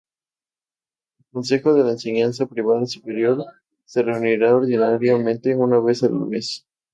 El Consejo de la Enseñanza Privada Superior se reunirá ordinariamente una vez al mes.